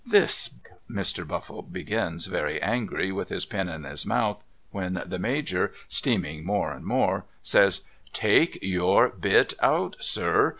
' This ' Mr. Buffle begins very angry with his pen in his mouth, when the Major steaming more and more says ' Take your bit out sir